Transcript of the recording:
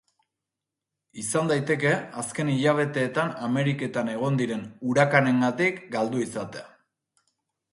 Izan daiteke azken hilabeteetan Ameriketan egon diren urakanengatik galdu izatea.